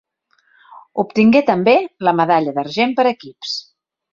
Obtingué també la medalla d'argent per equips.